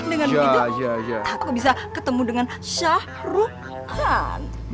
dengan wido aku bisa ketemu dengan syahrul khan